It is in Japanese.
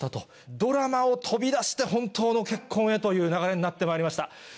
ドラマを飛び出して本当の結婚へという流れになってまいりました。